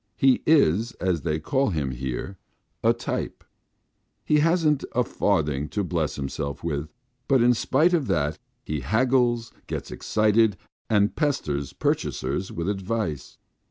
He is, as they call him here, "a type." He hasn't a farthing to bless himself with, but in spite of that he haggles, gets excited, and pesters purchasers with advice.